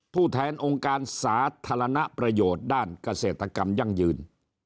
ผู้แทนองค์การสาธารณประโยชน์ด้านเกษตรกรรมยั่งยืน